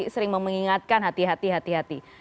sering mengingatkan hati hati